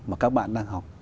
mà các bạn đang học